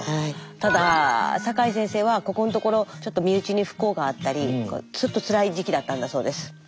ただ酒井先生はここのところちょっと身内に不幸があったりずっとつらい時期だったんだそうです。